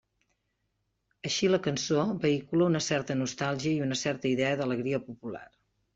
Així la cançó vehicula una certa nostàlgia i una certa idea d'alegria popular.